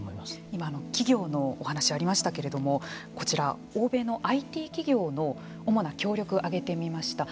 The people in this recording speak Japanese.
今、企業のお話ありましたけれどもこちら欧米のＩＴ企業の主な協力、挙げてみました。